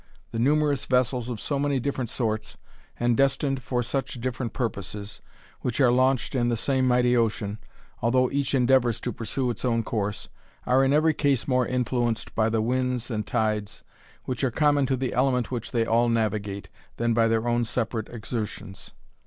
The numerous vessels of so many different sorts, and destined for such different purposes, which are launched in the same mighty ocean, although each endeavours to pursue its own course, are in every case more influenced by the winds and tides, which are common to the element which they all navigate, than by their own separate exertions.